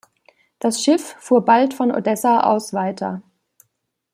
Das Schiff fuhr bald von Odessa aus weiter.